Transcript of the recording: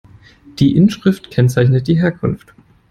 Die Inschrift kennzeichnet die Herkunft.